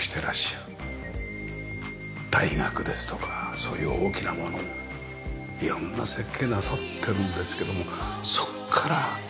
大学ですとかそういう大きなものをいろんな設計なさってるんですけどもそこから「これはどうだろう？」